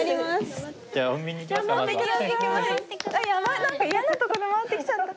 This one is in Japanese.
何か嫌なとこで回ってきちゃった。